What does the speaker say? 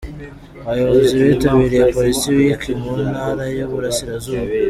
Abayobozi bitabiriye Police week mu ntara y'uburasirazuba.